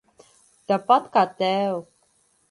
Tāpat kā tev.